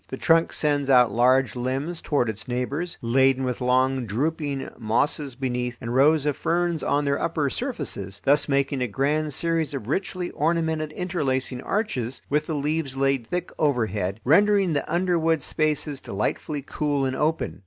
The trunk sends out large limbs toward its neighbors, laden with long drooping mosses beneath and rows of ferns on their upper surfaces, thus making a grand series of richly ornamented interlacing arches, with the leaves laid thick overhead, rendering the underwood spaces delightfully cool and open.